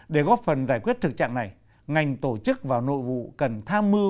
để góp phần giải quyết thực trạng này ngành tổ chức và nội vụ cần tham mưu